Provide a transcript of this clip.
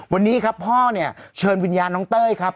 วันนี้ครับพ่อเนี่ยเชิญวิญญาณน้องเต้ยครับ